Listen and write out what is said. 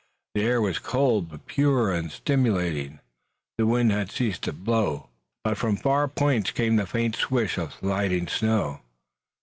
The air was cold but pure and stimulating. The wind had ceased to blow, but from far points came the faint swish of sliding snow.